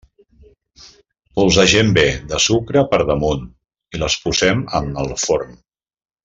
Polsegem bé de sucre per damunt i les posem en el forn.